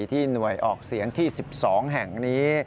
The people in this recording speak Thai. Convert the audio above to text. ที่หน่วยออกเสียงที่๑๒แห่งนี้